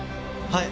はい。